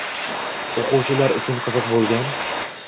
O‘quvchilar uchun qiziq bo’lgan.